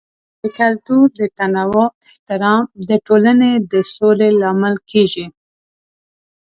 د کلتور د تنوع احترام د ټولنې د سولې لامل کیږي.